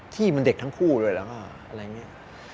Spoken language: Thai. ที่มันเด็กทั้งคู่ด้วยแล้วก็อะไรอย่างนี้